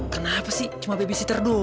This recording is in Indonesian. kenapa sih cuma babysitter dulu